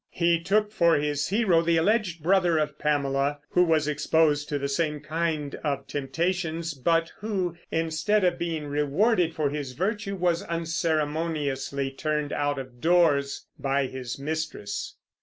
He took for his hero the alleged brother of Pamela, who was exposed to the same kind of temptations, but who, instead of being rewarded for his virtue, was unceremoniously turned out of doors by his mistress.